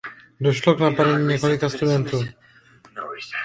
Došlo k napadení několika studentů.